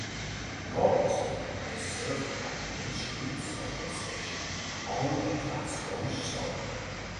Laurieston is served by Bridge Street subway station on the Glasgow Subway.